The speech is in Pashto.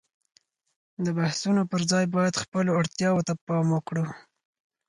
د بحثونو پر ځای باید خپلو اړتياوو ته پام وکړو.